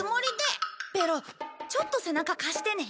ペロちょっと背中貸してね。